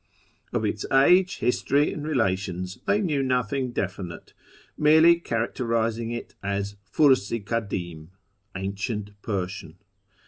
Of its age, history, and relations they knew nothing definite, merely characterising it as " Furs i kadim " (Ancient Persian).